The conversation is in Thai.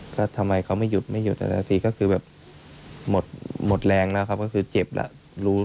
ก็ทำไมเขาไม่หยุดโดยไม่หยุด